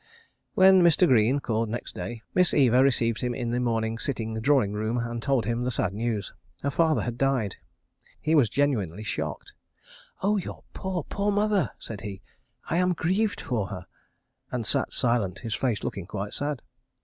When Mr. Greene called next day, Miss Eva received him in the morning sitting drawing room and told him the sad news. Her father had died. ... He was genuinely shocked. "Oh, your poor, poor mother!" said he. "I am grieved for her"—and sat silent, his face looking quite sad.